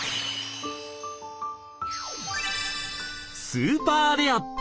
スーパーレア！